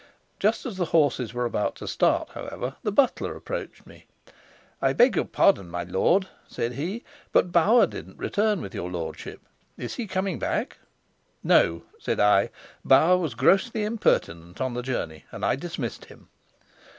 Just as the horses were about to start, however, the butler approached me. "I beg your pardon, my lord," said he, "but Bauer didn't return with your lordship. Is he coming back?" "No," said I. "Bauer was grossly impertinent on the journey, and I dismissed him."